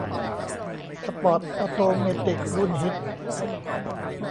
สปอร์ตออโตเมติกรุ่นฮิต